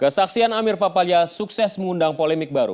kesaksian amir papaya sukses mengundang polemik baru